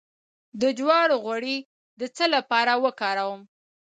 د جوارو غوړي د څه لپاره وکاروم؟